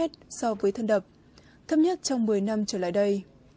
thấp nhất trong một mươi năm trở lại đây